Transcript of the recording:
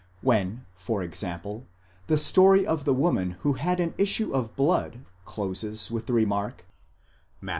When, for example, the story of the woman who had an issue of blood closes with the remark (Matt.